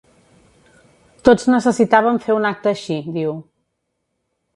Tots necessitàvem fer un acte així, diu.